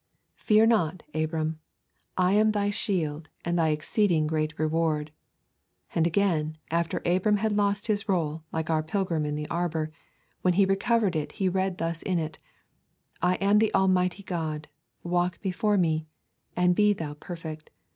'Fear not, Abram: I am thy shield, and thy exceeding great reward.' And, again, after Abram had lost his roll, like our pilgrim in the arbour, when he recovered it he read thus in it: 'I am the Almighty God: walk before Me, and be thou perfect.